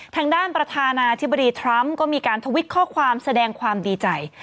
ทางด้านประธานาธิบดีทรัมป์ก็มีการทวิตข้อความแสดงความดีใจ